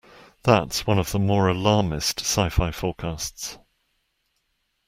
That's one of the more alarmist sci-fi forecasts.